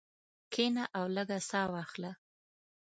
کښېنه او لږه ساه واخله.